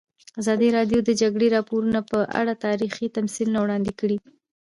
ازادي راډیو د د جګړې راپورونه په اړه تاریخي تمثیلونه وړاندې کړي.